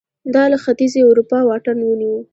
دا له ختیځې اروپا واټن ونیو